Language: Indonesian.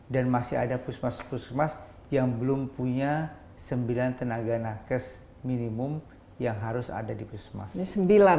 dan masih ada pusat semestinya yang belum punya sembilan tenaga nakes minimum yang harus ada di pusat semestinya